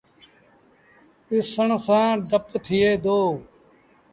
ڏسڻ سآݩ ڊپ ٿئي دو۔